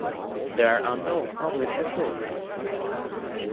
There are no public facilities.